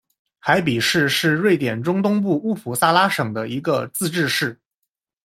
海比市是瑞典中东部乌普萨拉省的一个自治市。